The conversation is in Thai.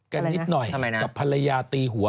นิดหน่อยกับภรรยาตีหัว